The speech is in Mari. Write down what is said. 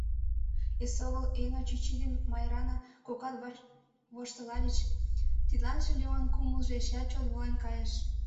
Эсогыл Эйно чӱчӱ ден Марйаана кокат воштылальыч, тидланже Леон кумылжо эшеат чот волен кайыш.